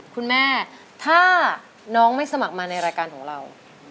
คุณแม่ถ้าน้องไม่สมัครมาในรายการของเรา